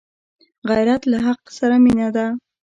غیرت له حق سره مینه ده